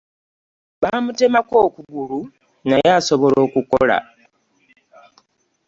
Bamutemako okugulu naye asobola okukola .